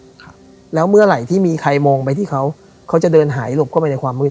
ครับแล้วเมื่อไหร่ที่มีใครมองไปที่เขาเขาจะเดินหายหลบเข้าไปในความมืด